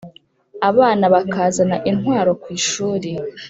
abana bakazana intwaro kwishuli